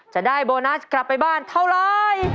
จะได้โบนัสกลับไปบ้านเท่าไร